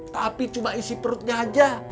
tapi cuma isi perutnya aja